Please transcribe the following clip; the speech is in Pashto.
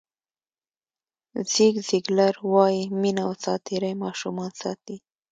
زیګ زیګلر وایي مینه او ساعتېرۍ ماشومان ساتي.